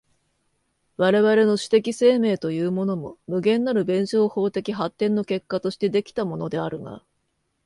我々の種的生命というものも、無限なる弁証法的発展の結果として出来たものであるが、